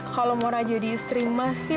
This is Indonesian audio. kalau mona jadi istri mas sih